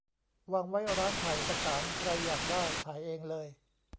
วางไว้ร้านถ่ายเอกสาร ใครอยากได้ ถ่ายเองเลย